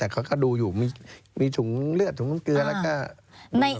แต่เขาก็ดูอยู่มีถุงเลือดถุงน้ำเกลือแล้วก็